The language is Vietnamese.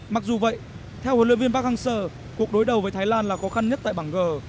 mặc dù vậy theo huấn luyện viên park hang seo cuộc đối đầu với thái lan là khó khăn nhất tại bảng g